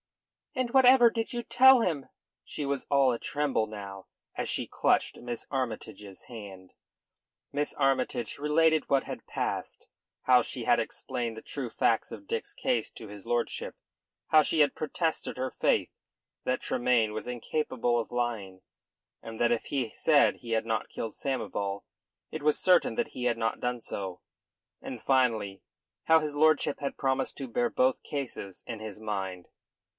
"And whatever did you tell him?" She was all a tremble now, as she clutched Miss Armytage's hand. Miss Armytage related what had passed; how she had explained the true facts of Dick's case to his lordship; how she had protested her faith that Tremayne was incapable of lying, and that if he said he had not killed Samoval it was certain that he had not done so; and, finally, how his lordship had promised to bear both cases in his mind.